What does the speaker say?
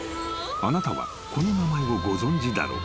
［あなたはこの名前をご存じだろうか？］